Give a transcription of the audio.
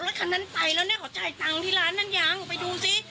คันนั้นไปแล้วเนี่ยเขาจ่ายตังค์ที่ร้านนั่นยังไปดูสิ